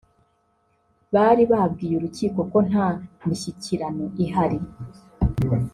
bari babwiye urukiko ko nta mishyikirano ihari